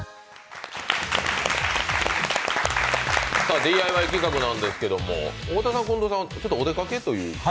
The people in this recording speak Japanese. ＤＩＹ企画なんですけれども、太田さん、近藤さんはお出かけということ。